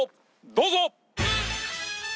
どうぞ！